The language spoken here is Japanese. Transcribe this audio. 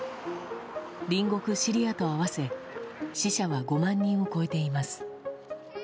隣国シリアと合わせ死者は５万人を超えています。